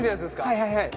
はいはいはい。